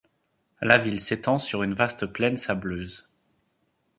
La ville s'étend sur une vaste plaine sableuse.